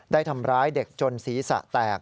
ได้ทำร้ายเด็กจนศีรษะแตก